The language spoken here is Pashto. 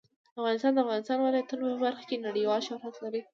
افغانستان د د افغانستان ولايتونه په برخه کې نړیوال شهرت لري.